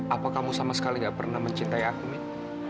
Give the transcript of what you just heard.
apa kamu sama sekali gak pernah mencintai aku mit